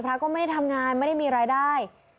พระก็ไม่ได้ทำงานไม่ได้มีรายได้